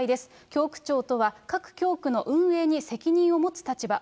教区長とは、各教区の運営に責任を持つ立場。